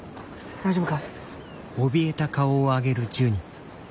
大丈夫か？